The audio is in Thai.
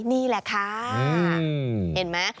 นี่แหละค่ะเห็นมั้ย